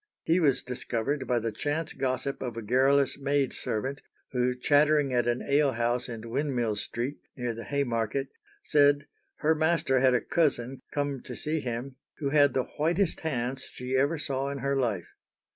He was discovered by the chance gossip of a garrulous maid servant, who, chattering at an ale house in Windmill Street, near the Haymarket, said her master had a cousin come to see him who had the whitest hands she ever saw in her life.